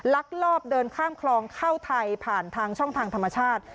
ลักลอบเดินข้ามคลองเข้าไทยผ่านทางช่องทางธรรมชาติ